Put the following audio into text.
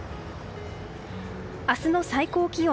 明日の最高気温